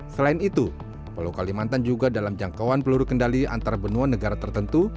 selain itu pulau kalimantan juga dalam jangkauan peluru kendali antarbenua negara tertentu